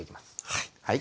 はい。